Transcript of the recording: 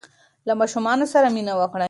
له ماشومانو سره مینه وکړئ.